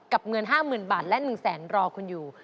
กับเงิน๕๐๐๐๐บาทและ๑๐๐๐๐๐บาทรอคุณอยู่